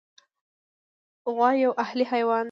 غوا یو اهلي حیوان دی.